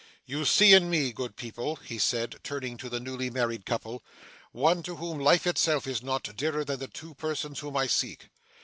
'You see in me, good people,' he said, turning to the newly married couple, 'one to whom life itself is not dearer than the two persons whom I seek.